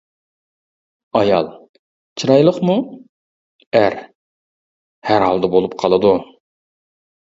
ئايال: چىرايلىقمۇ؟ ئەر: ھەر ھالدا بولۇپ قالىدۇ.